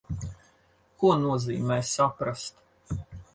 Ko nozīmē saprast?